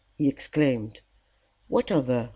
he exclaimed. "What of her?"